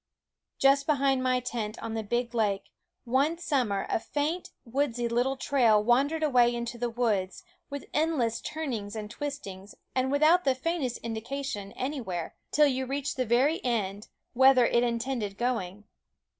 Just behind my tent on the big lake, one summer, a faint, woodsy little trail wandered away into the woods, with endless turnings and twistings, and without the faintest F\ THE WOODS indication anywhere, till you reached the very end, whither it intended going.